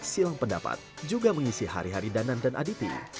silang pendapat juga mengisi hari hari danan dan aditi